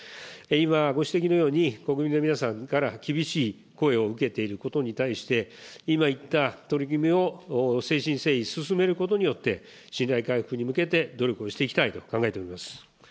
今、ご指摘のように、国民の皆さんから厳しい声を受けていることに対して、今言った取り組みを誠心誠意進めることによって、信頼回復に向けて努力をしていきたいと考えております。